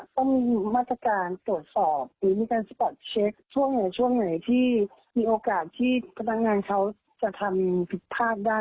ที่มีโอกาสที่พนักงานเขาจะทำผิดภาพได้